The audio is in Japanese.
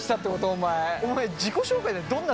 お前。